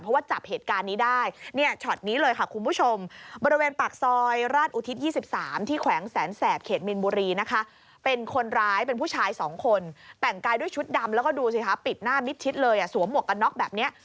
สวมหมวกกันน็อกแบบนี้